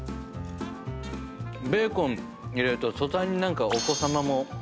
ベーコン入れると途端に何か。